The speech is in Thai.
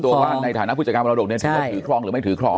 อ๋อตัวว่าในฐานะผู้จัดการบรรดกเนี่ยถือคล้องหรือไม่ถือคล้อง